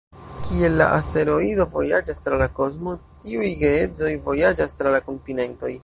Kiel la asteroido vojaĝas tra la kosmo, tiuj geedzoj vojaĝas tra la kontinentoj.